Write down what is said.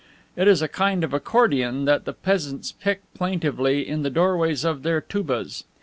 It is a kind of accordeon that the peasants pick plaintively in the doorways of their toubas.